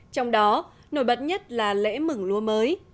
trong đó nổi bật nhất là lễ mừng lúa mới